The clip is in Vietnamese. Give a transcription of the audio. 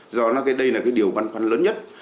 do đây là điều văn khoăn lớn nhất